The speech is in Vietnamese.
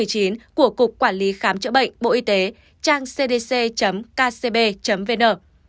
của cục quản lý khám chữa bệnh bộ y tế trang cdc kcb vn